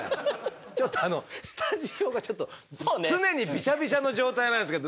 ちょっとスタジオがちょっと常にビシャビシャの状態なんですけど。